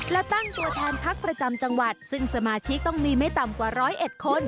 และตั้งตัวแทนพักประจำจังหวัดซึ่งสมาชิกต้องมีไม่ต่ำกว่าร้อยเอ็ดคน